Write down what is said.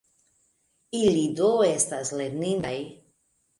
Ili do estas lernindaj.